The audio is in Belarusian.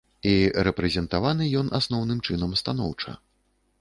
І рэпрэзентаваны ён, асноўным чынам, станоўча.